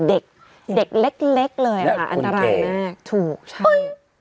เด็กเด็กเล็กเลยค่ะอันตรายมากถูกใช่